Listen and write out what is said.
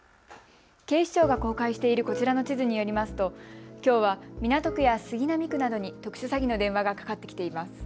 警視庁が公開しているこちらの地図によりますときょうは港区や杉並区などに特殊詐欺の電話がかかってきています。